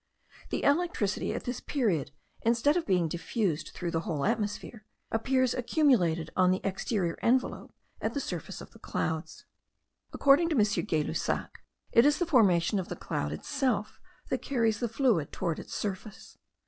The electricity at this period, instead of being diffused throughout the whole atmosphere, appears accumulated on the exterior envelope, at the surface of the clouds. According to M. Gay Lussac it is the formation of the cloud itself that carries the fluid toward its surface.